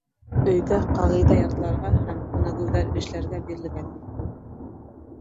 Өйгә ҡағиҙә ятларға һәм күнегеүҙәр эшләргә бирелгән ине